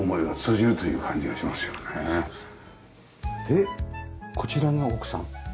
でこちらが奥さん？